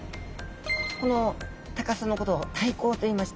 この高さのことを体高といいまして。